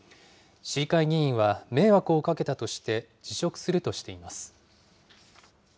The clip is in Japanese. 市議会議員は迷惑をかけたとして辞職するとしています。